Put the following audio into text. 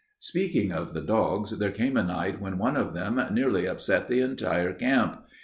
Speaking of the dogs, there came a night when one of them nearly upset the entire camp.